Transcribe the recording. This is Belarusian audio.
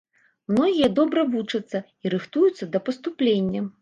Многія добра вучацца і рыхтуюцца да паступлення.